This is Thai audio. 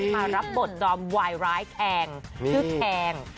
มารับบทดรมวายร้ายแขงคือแขง